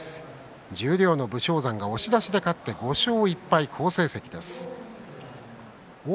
十両の武将山が押し出しで勝ちました、５勝１敗、好成績。